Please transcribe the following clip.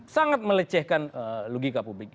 sangat melecehkan logika publik